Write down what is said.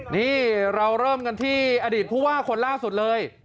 นี่เราเริ่มกันที่อดีตผู้ว่าคนล่าสุดเลย